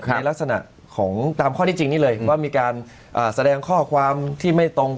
ในลักษณะของตามข้อที่จริงนี่เลยว่ามีการแสดงข้อความที่ไม่ตรง